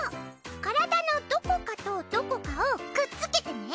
体のどこかとどこかをくっつけてね。